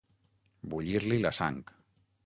Bullir-li la sang.